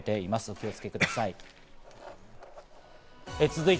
お気をつけください。